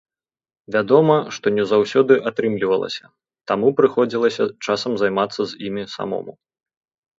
Вядома, што не заўсёды атрымлівалася, таму прыходзілася часам займацца з імі самому.